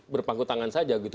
berpangku tangan saja